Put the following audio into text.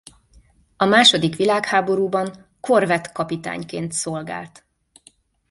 A második világháborúban korvettkapitányként szolgált.